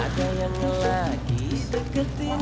ada yang lagi seketimu